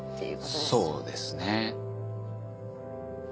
そうですね。